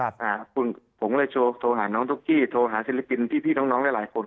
ผมก็เลยโทรหาน้องตุ๊กกี้โทรหาศิลปินที่พี่น้องได้หลายคน